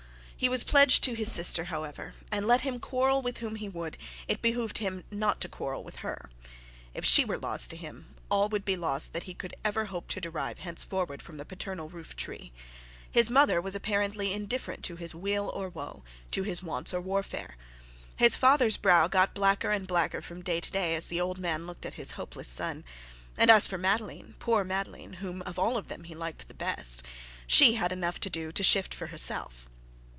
He was pledged to his sister, however, and let him quarrel with whom he would, it behoved him not to quarrel with her. If she were lost to him all would be lost that he could ever hope to derive henceforward from the paternal roof tree. His mother was apparently indifferent to his weal or woe, to his wants or to his warfare. His father's brow got blacker and blacker from day to day, as the old man looked at his hopeless son. And as for Madeline poor Madeline, whom of all of them he liked the best, she had enough to do to shift for herself.